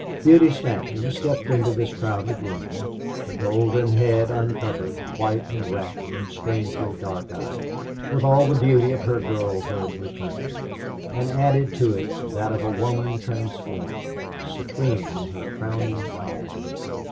Beauty Stanton stepped into this crowded room, her golden head uncovered, white and rapt and strangely dark eyed, with all the beauty of her girlhood returned, and added to it that of a woman transformed, supreme in her crowning hour.